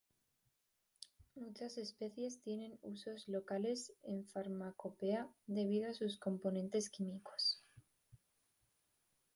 Muchas especies tienen usos locales en farmacopea debido a sus componentes químicos.